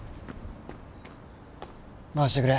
回してくれ。